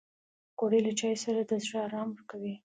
پکورې له چایو سره د زړه ارام ورکوي